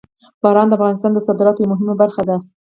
باران د افغانستان د صادراتو یوه مهمه برخه ده.